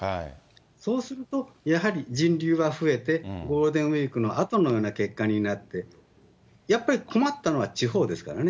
そうすると、やはり人流は増えて、ゴールデンウィークのあとのような結果になって、やっぱり困ったのは地方ですからね。